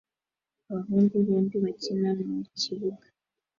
Abahungu bombi bakina mukibuga